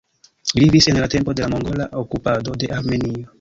Li vivis en la tempo de la mongola okupado de Armenio.